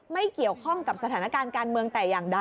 ไม่เกี่ยวข้องกับสถานการณ์การเมืองแต่อย่างใด